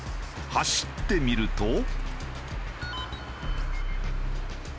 走ってみると。